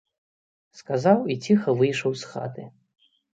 Сказаў і ціха выйшаў з хаты.